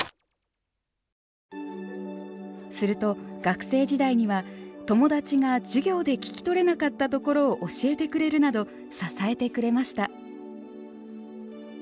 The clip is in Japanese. すると学生時代には友達が授業で聞き取れなかったところを教えてくれるなど支えてくれました。